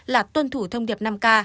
là tuân thủ thông điệp năm k